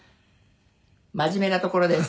「真面目なところです。